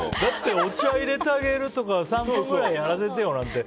お茶入れてあげるとか３分くらいやらせてよなんて。